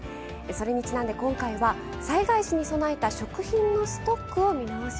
それにちなんで今回は災害時に備えた食品のストックを見直しましょう。